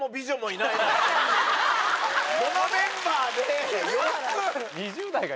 このメンバーでよく。